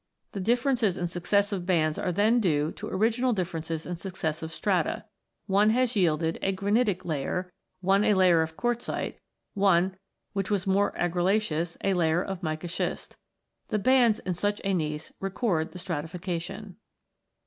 The differences in suc cessive bands are then due to original differences in successive strata; one has yielded a granitic layer, one a layer of quartzite, one, which was more ar gillaceous, a layer of mica schist. The bands in such a gneiss record the stratification.